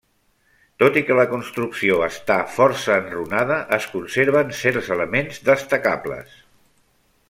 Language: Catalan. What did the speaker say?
Tot i que la construcció està força enrunada es conserven certs elements destacables.